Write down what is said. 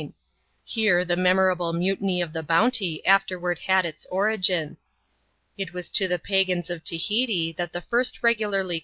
Here the memorable mutiny of the Bounty afterward had its origin. It was to the pagans oi TaJcaXi t\iail the first regularly CHAP, xvm.